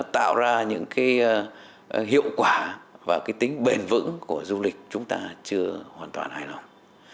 tạo ra những hiệu quả và tính bền vững của du lịch chúng ta chưa hoàn toàn hài lòng